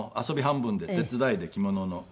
半分で手伝いで着物の。